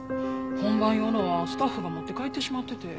本番用のはスタッフが持って帰ってしまってて。